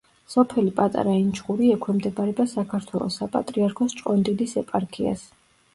სოფელი პატარა ინჩხური ექვემდებარება საქართველოს საპატრიარქოს ჭყონდიდის ეპარქიას.